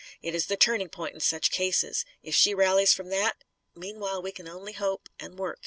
It is the turning point in such cases. If she rallies from that Meanwhile we can only hope and work.